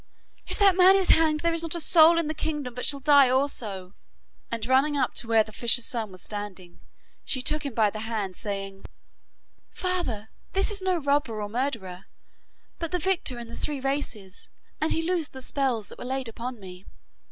'If that man is hanged there is not a soul in the kingdom but shall die also.' And running up to where the fisher's son was standing, she took him by the hand, saying, 'Father, this is no robber or murderer, but the victor in the three races, and he loosed the spells that were laid upon me.